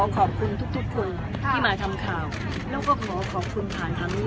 ขอบคุณทุกคนที่มาทำข่าวแล้วก็ขอขอบคุณผ่านทางนี้